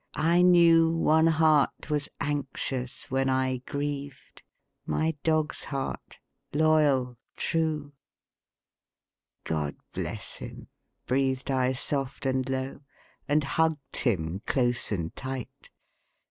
I knew One heart was anxious when I grieved My dog's heart, loyal, true. "God bless him," breathed I soft and low, And hugged him close and tight.